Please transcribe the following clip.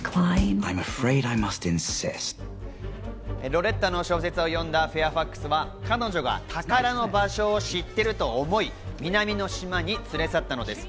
ロレッタの小説を読んだフェアファックスは彼女が宝の場所を知っていると思い、南の島に連れ去ったのです。